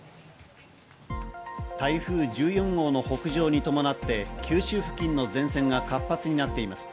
台風１４号の北上に伴って九州付近の前線が活発になっています。